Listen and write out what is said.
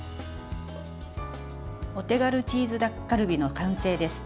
お手軽チーズタッカルビの完成です。